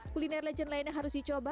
kuliner legend lainnya harus dicoba